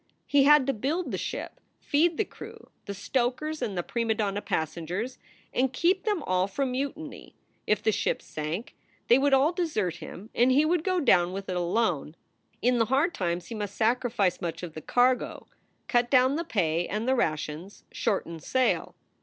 He had to build the ship, feed the crew, the stokers, and the prima donna passengers, and keep them all from mutiny. If the ship sank, they would all desert him and he would go down with it alone. In the hard times he must sacrifice much of the cargo, cut down the pay and the rations, shorten sail.